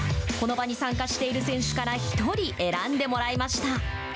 この場に参加している選手から１人選んでもらいました。